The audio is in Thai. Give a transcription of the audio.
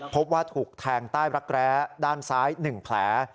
พบว่าถูกแทงใต้รักแร้ด้านซ้าย๑แผล